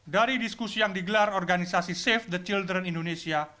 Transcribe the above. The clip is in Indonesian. dari diskusi yang digelar organisasi save the children indonesia